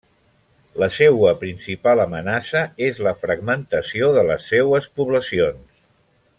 La seua principal amenaça és la fragmentació de les seues poblacions.